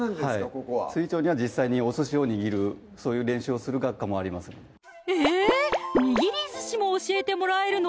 ここは調には実際にお寿司を握るそういう練習をする学科もありますのでえ握り寿司も教えてもらえるの？